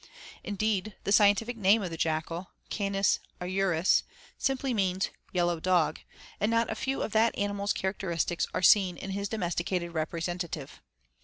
Indeed, the scientific name of the jackal (Canis aureus) means simply 'yellow dog,' and not a few of that animal's characteristics are seen in his domesticated representative.